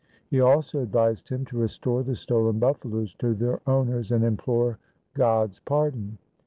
He also advised him to restore the stolen buffaloes to their owners and implore God's pardon.